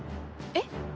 えっ？